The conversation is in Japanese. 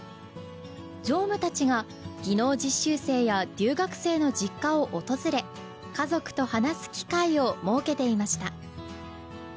常務たちが技能実習生や留学生の実家を訪れ家族と話す機会を設けていました。